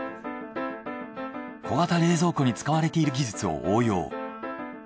小型冷蔵庫に使われている技術を応用。